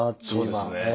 そうですね